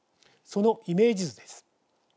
そのイメージ図です。